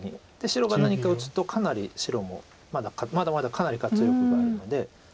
白が何か打つとかなり白もまだまだかなり活力があるので。